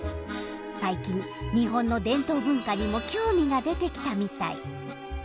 最近日本の伝統文化にも興味が出てきたみたい。